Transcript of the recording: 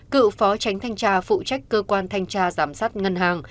cựu phó tránh thanh tra phụ trách cơ quan thanh tra giám sát ngân hàng